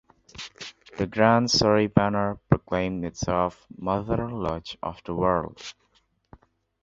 The 'Grand Surrey Banner' proclaimed itself "Mother Lodge of the World".